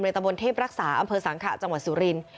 ตะบนเทพรักษาอำเภอสังขะจังหวัดสุรินทร์